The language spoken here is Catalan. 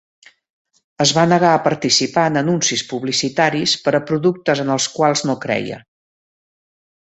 Es va negar a participar en anuncis publicitaris per a productes en els quals no creia.